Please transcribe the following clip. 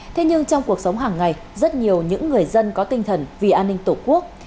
thế nhưng trong cuộc sống hàng ngày rất nhiều những người dân có tinh thần vì an ninh tổ quốc